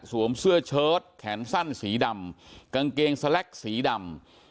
เสื้อเชิดแขนสั้นสีดำกางเกงสแล็กสีดำ